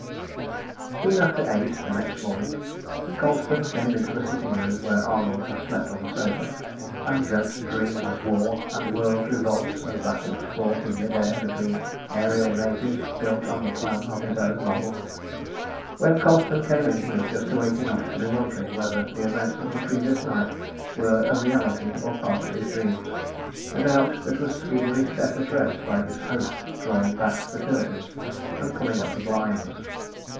Soon after eight the next morning Colston came into the sitting room where Arnold had slept on the sofa, and dreamt dreams of war and world revolts and battles fought in mid air between aërial navies built on the plan of his own model. When Colston came in he was just awake enough to be wondering whether the events of the previous night were a reality or part of his dreams a doubt that was speedily set at rest by his host drawing back the curtains and pulling up the blinds.